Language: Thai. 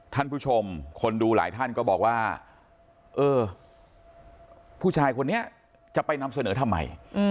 ท่านผู้ชมคนดูหลายท่านก็บอกว่าเออผู้ชายคนนี้จะไปนำเสนอทำไม